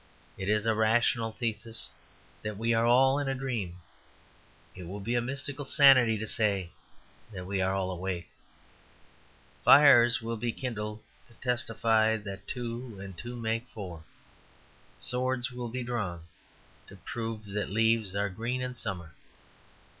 It is a rational thesis that we are all in a dream; it will be a mystical sanity to say that we are all awake. Fires will be kindled to testify that two and two make four. Swords will be drawn to prove that leaves are green in summer.